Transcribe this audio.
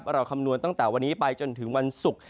คำนวณตั้งแต่วันนี้ไปจนถึงวันศุกร์